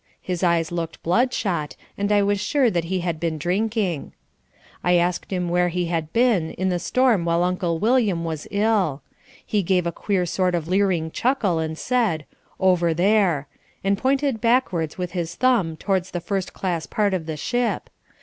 His eyes looked bloodshot and I was sure that he had been drinking. I asked him where he had been in the storm while Uncle William was ill. He gave a queer sort of leering chuckle and said, "Over there," and pointed backwards with his thumb towards the first class part of the ship.